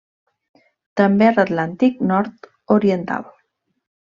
També a l'Atlàntic nord-oriental.